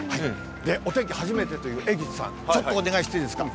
お天気、初めてという江口さん、ちょっとお願いしていいですか。